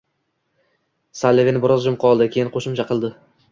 Salliven biroz jim qoldi, keyin qo‘shimcha qildi: